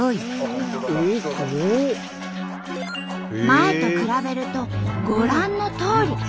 前と比べるとご覧のとおり。